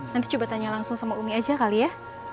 nanti coba tanya langsung sama umi aja kali ya